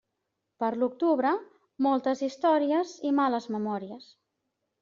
Per l'octubre, moltes històries i males memòries.